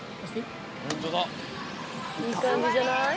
いいかんじじゃない？